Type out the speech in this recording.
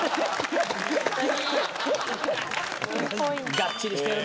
がっちりしてるね。